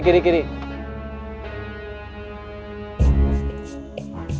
ya pak juna